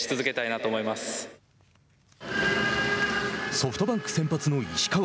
ソフトバンクの先発の石川。